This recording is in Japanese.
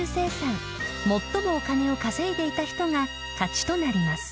［最もお金を稼いでいた人が勝ちとなります］